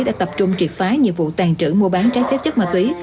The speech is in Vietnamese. đã tập trung triệt phái nhiệm vụ tàn trữ mua bán trái phép chất ma túy